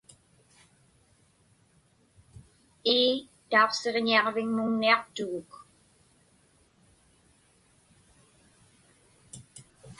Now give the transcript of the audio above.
Ii, tauqsiġñiaġviŋmuŋniaqtuguk.